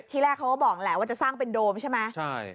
ที่แรกเขาก็บอกแหละว่าจะตั้งโดมใช่ไหม